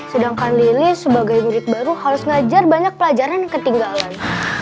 sedangkan lili sebagai murid baru harus ngajar banyak pelajaran yang ketinggalan